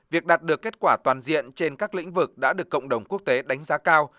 việc đạt được kết quả toàn diện trên các lĩnh vực đã được cộng đồng quốc tế đánh giá cao